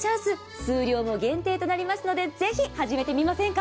数量も限定となりますので、ぜひ始めてみませんか？